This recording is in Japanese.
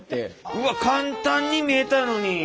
うわっ簡単に見えたのに。